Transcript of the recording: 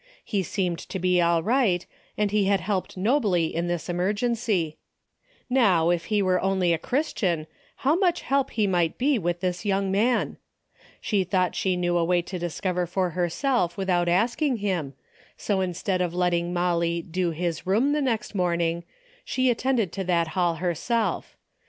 He seemed to be all right, and he had helped nobly in this emergency. How, if 196 A DAILY BATEA^ he only were a Christian, how much help he might be with this young man. She thought she knew a way to discover for herself with out asking him, so instead of letting Molly " do his room '' the next morning, she attended to that hall herself.